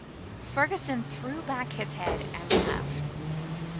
Fergusson threw back his head and laughed.